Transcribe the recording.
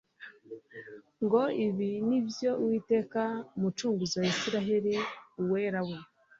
ngo : «Ibi nibyo Uwiteka Umucunguzi wa Isiraeli Uwera we,